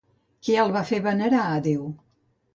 Què el va fer venerar a Déu?